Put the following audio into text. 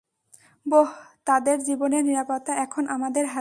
বোহ, তাদের জীবনের নিরাপত্তা এখন আমাদের হাতে।